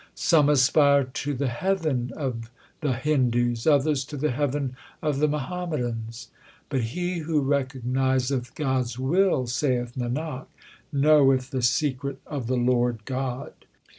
Some aspire to the heaven of the Hindus, others to the heaven of the Muhammadans ; But he who recognizeth God s will, saith Nanak, Knoweth the secret of the Lord God.